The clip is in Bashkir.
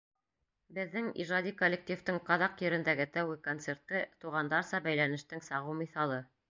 Беҙҙең ижади коллективтың ҡаҙаҡ ерендәге тәүге концерты — туғандарса бәйләнештең сағыу миҫалы.